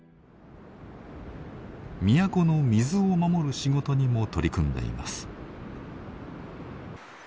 都の水を守る仕事にも取り組んでいます。